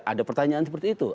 ada pertanyaan seperti itu